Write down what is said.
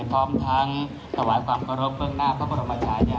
พร้อมทั้งถวายความเคารพเบื้องหน้าพระบรมชายา